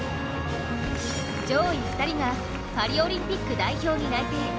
上位２人がパリオリンピック代表に内定。